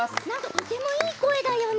とてもいい声だよね。